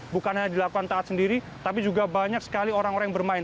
bukan hanya dilakukan taat sendiri tapi juga banyak sekali orang orang yang bermain